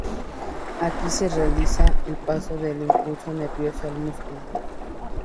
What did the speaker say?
Aquí se realiza el paso del impulso nervioso al músculo.